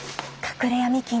隠れ闇金？